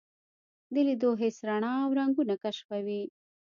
د لیدو حس رڼا او رنګونه کشفوي.